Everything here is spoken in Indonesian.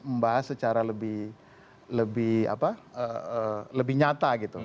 membahas secara lebih nyata gitu